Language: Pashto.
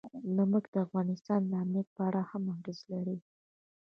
نمک د افغانستان د امنیت په اړه هم اغېز لري.